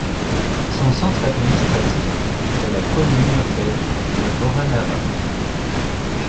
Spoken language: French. Son centre administratif est la commune urbaine de Voranava.